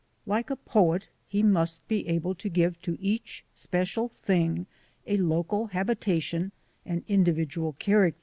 Like a poet he must be able to give to each special thing a local habitation and individual character.